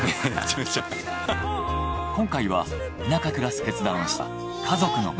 今回は田舎で暮らす決断をした家族の物語。